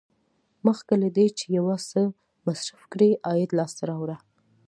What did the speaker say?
مخکې له دې چې یو څه مصرف کړئ عاید لاسته راوړه.